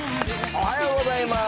おはようございます。